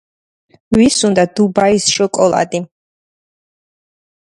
ვის უნდა დუბაის შოკოლადი